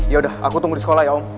ya udah aku tunggu di sekolah ya om